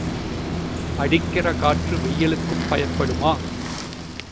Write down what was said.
அடிக்கிற காற்று வெயிலுக்குப் பயப்படுமா?